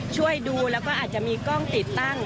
ช่วยดูแล้วก็อาจจะมีกล้องติดตั้ง